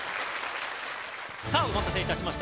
お待たせいたしました。